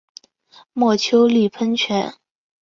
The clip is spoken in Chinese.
墨丘利喷泉。